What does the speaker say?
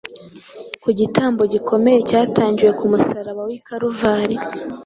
ku gitambo gikomeye cyatangiwe ku musaraba w’i Kaluvari,